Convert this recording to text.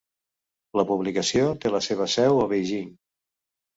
La publicació té la seva seu a Beijing.